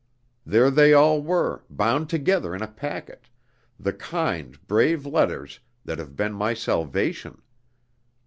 There they all were, bound together in a packet, the kind, brave letters that have been my salvation!